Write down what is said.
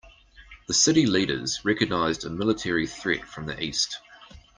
The city leaders recognized a military threat from the east.